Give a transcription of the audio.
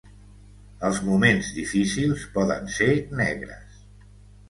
Els moments difícils poden ser negres.